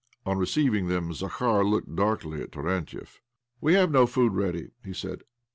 On receiving them, Zakhar looked darkly at Taxantiev. " We have no food ready," he said.